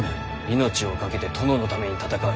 命をかけて殿のために戦う。